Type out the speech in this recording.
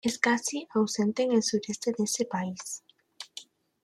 Es casi ausente en el sureste de ese país.